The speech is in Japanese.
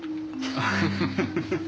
フフフフ。